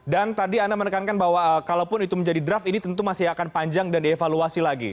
dan tadi anda menekankan bahwa kalaupun itu menjadi draft ini tentu masih akan panjang dan dievaluasi lagi